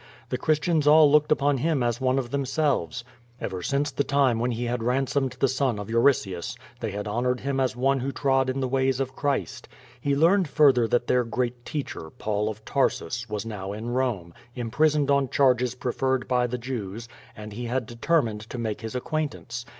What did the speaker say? The Christians all looked upon him as one of themselves. Ever since the time when he had ran somed the son of Euritius, they had honored him as one who trod in the ways of Christ. He learned further that their great teacher, Paul, of Tarsus, was now in Rome, imprisoned on charges preferred by the Jews and he had determined to make his acquaintance.